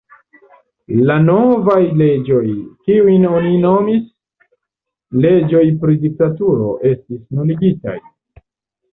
La novaj leĝoj, kiujn oni nomis leĝoj pri diktaturo, estis nuligitaj.